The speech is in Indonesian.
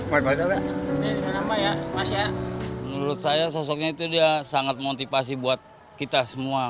menurut saya menurut saya sosoknya itu dia sangat motivasi buat kita semua